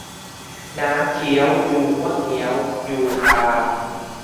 น้ำเคี้ยวยูงว่าเงี้ยว ยูงตาม